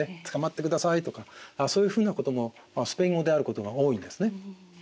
「つかまってください」とかそういうふうなこともスペイン語であることが多いんですね。